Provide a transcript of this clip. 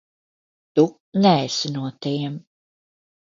Tu neesi no tiem.